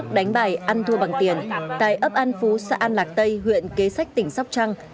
hình thức đánh bạc ăn thua bằng tiền tại ấp an phú xã an lạc tây huyện kế sách tỉnh sóc trăng